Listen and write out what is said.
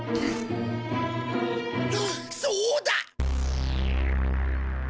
そうだ！